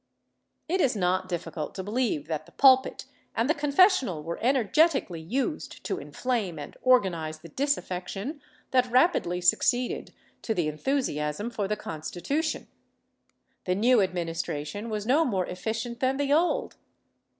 ^ It is not difficult to believe that the pulpit and the confessional were energetically used to inflame and organize the disaffection that rapidly succeeded to the enthusiasm for the Constitution. The new administration was no more efficient than the old.